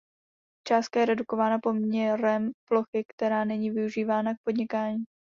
Částka je redukována poměrem plochy která není využívána k podnikání.